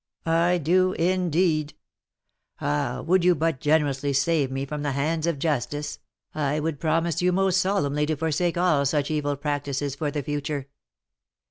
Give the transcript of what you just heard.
I do, indeed. Ah! would you but generously save me from the hands of justice, I would promise you most solemnly to forsake all such evil practices for the future."